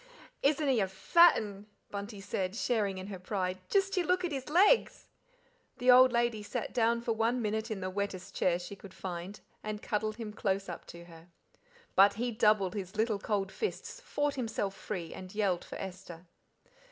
"Isn't he a fat 'un!" Bunty said, sharing in her pride; "just you look at his legs." The old lady sat down for one minute in the wettest chair she could find, and cuddled him close up to her. But he doubled his little cold fists, fought himself free, and yelled for Esther.